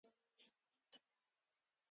دویم دا چې